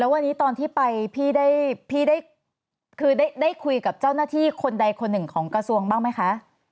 วันนี้ตอนที่ไปพี่ได้คือได้คุยกับเจ้าหน้าที่คนใดคนหนึ่งของกระทรวงบ้างไหมคะ